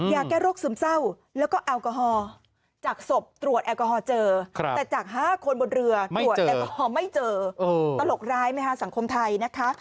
ยาแก้โรคซึมเศร้าแล้วก็แอลกอฮอล์จากศพตรวจแอลกอฮอลเจอแต่จาก๕คนบนเรือตรวจแอลกอฮอล์ไม่เจอตลกร้ายไหมคะสังคมไทยนะคะ